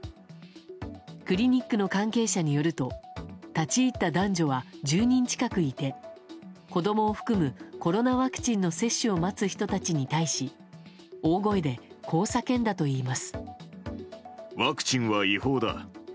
クリニックの関係者によると立ち入った男女は１０人近くいて子供を含むコロナワクチンの接種を待つ人たちに対し大声で、こう叫んだといいます。